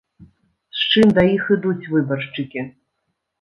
З чым да іх ідуць выбаршчыкі?